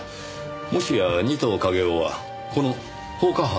もしや仁藤景雄はこの放火犯の。